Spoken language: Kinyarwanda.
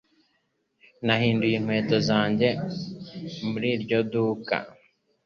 Nahinduye inkweto zanjye muri iryo duka.